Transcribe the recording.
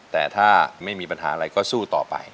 แต่ถ้าไม่มีปัญหาอะไรก็สู้ต่อไป